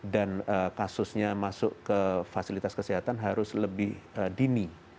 dan kasusnya masuk ke fasilitas kesehatan harus lebih dini